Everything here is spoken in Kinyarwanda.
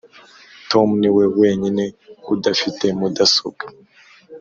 tom niwe wenyine udafite mudasobwa.